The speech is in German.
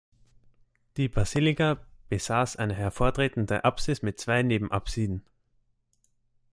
Die Basilika besass eine hervortretende Aspis mit zwei Nebenapsiden.